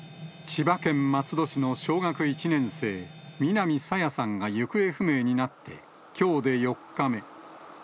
千葉県松戸市の小学１年生、南朝芽さんが行方不明になって、きょうで４日目。